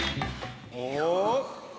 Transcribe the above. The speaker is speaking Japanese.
お！